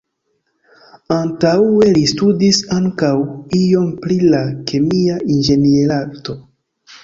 Antaŭe, li studis ankaŭ iom pri la Kemia Inĝenierarto.